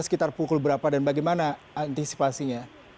sekitar pukul berapa dan bagaimana antisipasinya